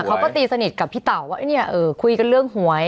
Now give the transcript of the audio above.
เขาก็ตีสนิทกับพี่เต่าว่าเนี่ยคุยกันเรื่องหวย